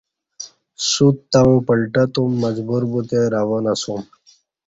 سوت تہ اوں پلٹہ توم مجبور بوتے روان اسوم